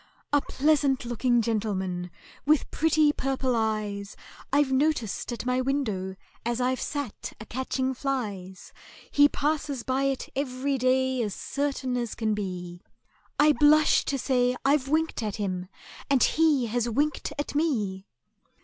"A pleasant looking gentleman, with pretty purple eyes, I've noticed at my window, as I've sat a catching flies; He passes by it every day as certain as can be— I blush to say I've winked at him, and he has winked at me!"